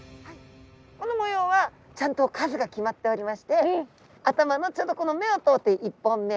この模様はちゃんと数が決まっておりまして頭のちょうどこの目を通って１本目。